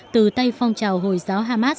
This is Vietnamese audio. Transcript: từ tay phong trào hồi giáo hamas